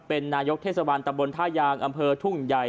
เป็นนายกเทศบาลตะบนท่ายางอำเภอทุ่งใหญ่